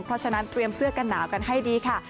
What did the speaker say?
เพราะฉะนั้นเตรียมเสื้อกันหนาวกันให้ดีค่ะ